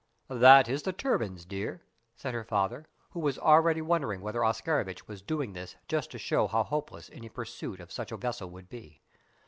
"That is the turbines, dear," said her father, who was already wondering whether Oscarovitch was doing this just to show how hopeless any pursuit of such a vessel would be.